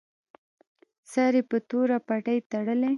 سر یې په توره پټۍ تړلی.